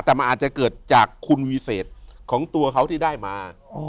แต่มันอาจจะเกิดจากคุณวิเศษของตัวเขาที่ได้มา